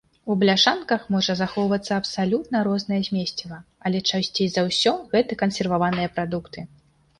У бляшанках можа захоўвацца абсалютна рознае змесціва, але часцей за ўсё гэта кансерваваныя прадукты.